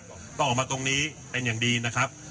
ต้องออกมาตรงนี้เป็นอย่างดีนะครับ